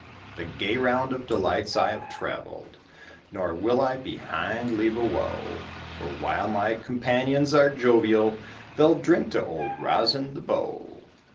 The gay round of delights I have traveled, Nor will I behind leave a woe, For while my companions are jovial They'll drink to Old Rosin the Bow.